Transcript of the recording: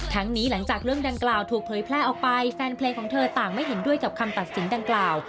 นี้หลังจากเรื่องดังกล่าวถูกเผยแพร่ออกไปแฟนเพลงของเธอต่างไม่เห็นด้วยกับคำตัดสินดังกล่าว